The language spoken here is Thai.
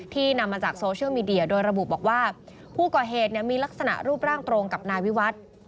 นำมาจากโซเชียลมีเดียโดยระบุบอกว่าผู้ก่อเหตุมีลักษณะรูปร่างตรงกับนายวิวัตร